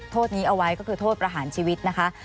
โทษนี้เอาไว้ก็คือโทษประหารชีวิตนะคะ